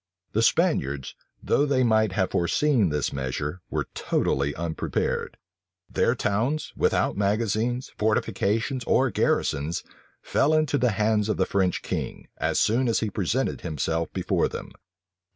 The Spaniards, though they might have foreseen this measure, were totally unprepared. Their towns, without magazines, fortifications or garrisons, fell into the hands of the French king, as soon as he presented himself before them.